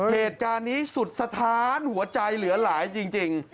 เหตุการณ์นี้สุดสะท้านหัวใจเหลือหลายจริง